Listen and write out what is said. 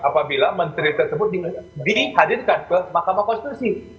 apabila menteri tersebut dihadirkan ke mahkamah konstitusi